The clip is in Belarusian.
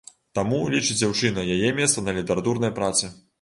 Таму, лічыць дзяўчына, яе месца на літаратурнай працы.